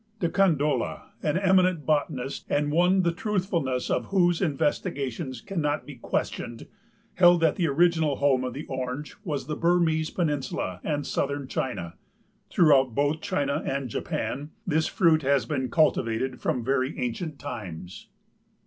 De Candolle, an eminent botanist and one the truthfulness of whose investigations cannot be questioned, held that the original home of the Orange was the Burmese peninsula and southern China. Throughout both China and Japan this fruit has been cultivated from very ancient times.